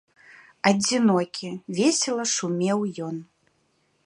Адзінокі, весела шумеў ён.